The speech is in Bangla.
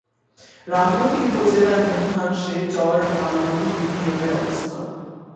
রামগতি উপজেলার মধ্যাংশে চর আলগী ইউনিয়নের অবস্থান।